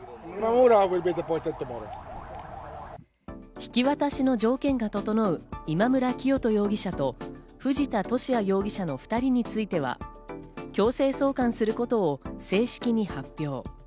引き渡しの条件が整う今村磨人容疑者と藤田聖也容疑者の２人については、強制送還することを正式に発表。